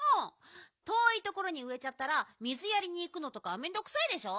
とおいところにうえちゃったら水やりにいくのとかめんどくさいでしょ。